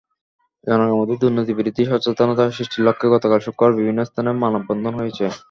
জনগণের মধ্যে দুর্নীতিবিরোধী সচেতনতা সৃষ্টির লক্ষ্যে গতকাল শুক্রবার বিভিন্ন স্থানে মানববন্ধন হয়েছে।